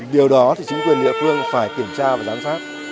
điều đó thì chính quyền địa phương phải kiểm tra và giám sát